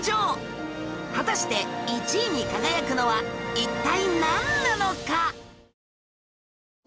果たして１位に輝くのは一体なんなのか？